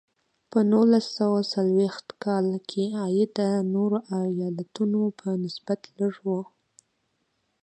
په نولس سوه څلویښت کال کې عاید د نورو ایالتونو په نسبت لږ و.